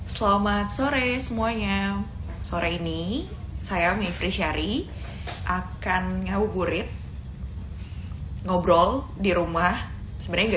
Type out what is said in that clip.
selamat sore semuanya sore ini saya mivri syari akan ngabur burit ngobrol di rumah sebenarnya